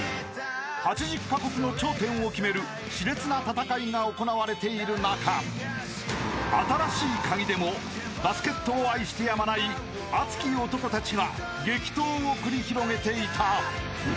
［８０カ国の頂点を決める熾烈な戦いが行われている中『新しいカギ』でもバスケットを愛してやまない熱き男たちが激闘を繰り広げていた］